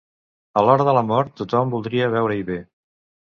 A l'hora de la mort tothom voldria veure-hi bé.